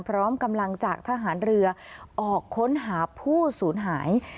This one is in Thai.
พร้อมกำลังจากทหารเรือออกค้นหาผู้สูญหาย